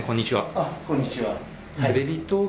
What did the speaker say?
あっこんにちは。